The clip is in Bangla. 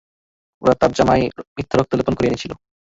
ওরা তার জামায় মিথ্যা রক্ত লেপন করে এনেছিল।